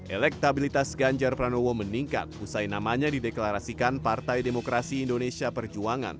elektabilitas ganjar pranowo meningkat usai namanya dideklarasikan partai demokrasi indonesia perjuangan